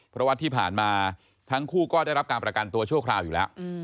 เพราะว่าที่ผ่านมาทั้งคู่ก็ได้รับการประกันตัวชั่วคราวอยู่แล้ว